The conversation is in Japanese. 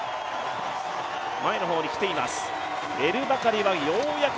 前の方に来ています。